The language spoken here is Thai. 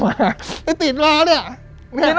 มันติดมามันติดมานี่